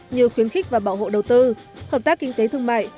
như khuyến khích và bảo hộ đầu tư hợp tác kinh tế thương mại